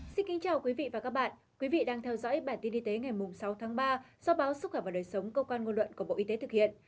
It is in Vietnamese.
xin kính chào quý vị và các bạn quý vị đang theo dõi bản tin y tế ngày sáu tháng ba do báo xúc cảm và đời sống cơ quan ngôn luận của bộ y tế thực hiện